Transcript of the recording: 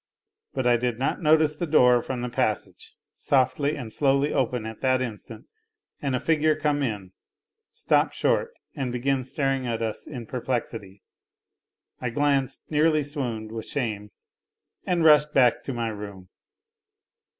But I did not notice the door from the passage softly and slowly open at that instant and a figure come in, stop short, and begin staring at us in perplexity. I glanced, nearly swooned with shame, and rushed back to my room.